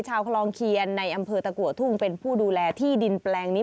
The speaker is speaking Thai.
ชาวคลองเคียนในอำเภอตะกัวทุ่งเป็นผู้ดูแลที่ดินแปลงนี้